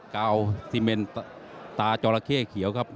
กาวซีเมนตาจอระเข้เขียวครับ